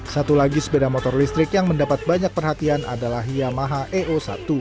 satu lagi sepeda motor listrik yang mendapat banyak perhatian adalah yamaha eo satu